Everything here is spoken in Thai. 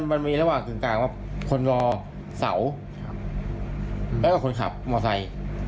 มันมีระหว่างด้านกลางกับคนรอเสาและก็คนขับมอเซต